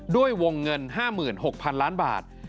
ด้วยวงเงิน๕๖๐๐๐ล้านบาท